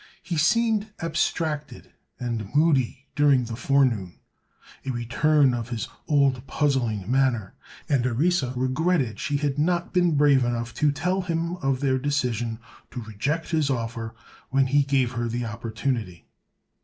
He seemed abstracted and moody during the forenoon—a return of his old puzzling manner—and Orissa regretted she had not been brave enough to tell him of their decision to reject his offer when he gave her the opportunity.